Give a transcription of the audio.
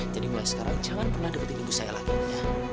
jadi mulai sekarang jangan pernah deketin ibu saya lagi ya